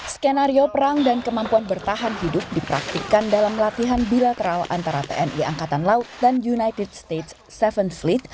skenario perang dan kemampuan bertahan hidup dipraktikan dalam latihan bilateral antara tni angkatan laut dan united states tujuh sleed